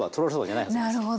なるほど。